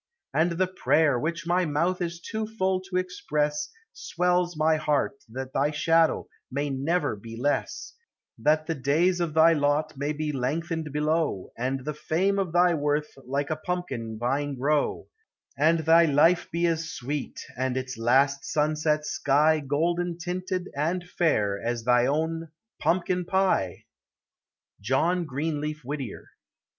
And the prayer, which my mouth is too full to express, Swells my heart that thy shadow may never be less, That the days of thy lot may be lengthened below, And the fame of thy worth like a pumpkin vine grow, And thy life be as sweet, and its last sunset sky Golden tinted and fair as thy own pumpkin pie! JOHN GREEN LEAF WHITTIER.